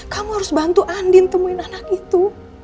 kamu harus bantu andin temuin anak itu